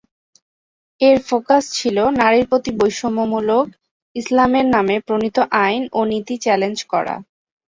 এর ফোকাস ছিল নারীর প্রতি বৈষম্যমূলক ইসলামের নামে প্রণীত আইন ও নীতি চ্যালেঞ্জ করা।